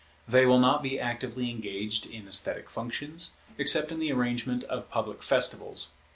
They will not be actively engaged in esthetic functions, except in the arrangement of public festivals.